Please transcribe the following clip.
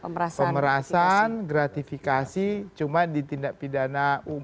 pemerasan gratifikasi cuma di tindak pidana umum